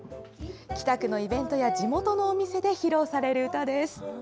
北区のイベントや地元のお店で披露される歌です。